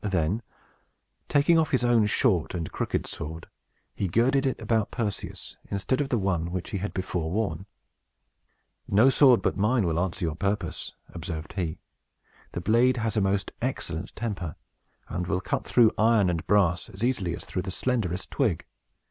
Then, taking off his own short and crooked sword, he girded it about Perseus, instead of the one which he had before worn. "No sword but mine will answer your purpose," observed he; "the blade has a most excellent temper, and will cut through iron and brass as easily as through the slenderest twig.